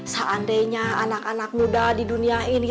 seandainya anak anak muda di dunia ini